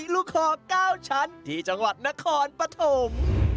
ลูกคอ๙ชั้นที่จังหวัดนครปฐม